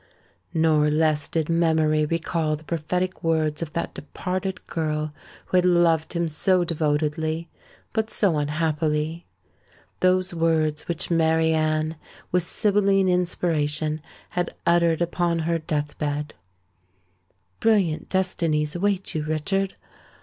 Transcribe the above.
Nor less did memory recall the prophetic words of that departed girl who had loved him so devotedly, but so unhappily;—those words which Mary Anne, with sybilline inspiration, had uttered upon her death bed:—"_Brilliant destinies await you, Richard!